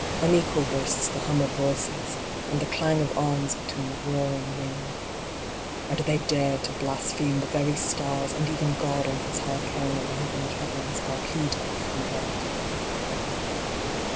Unequal bursts the hum of voices, and the clang of arms between the roaring wind. And they dare to blaspheme the very stars, and even God on His high throne in the Heaven of Heavens, by pleading for Love.